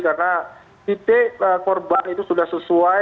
karena titik korban itu sudah sesuai